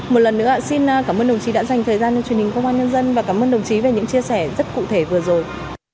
một lần nữa xin cảm ơn đồng chí đã dành thời gian cho truyền hình công an nhân dân và cảm ơn đồng chí về những chia sẻ rất cụ thể vừa rồi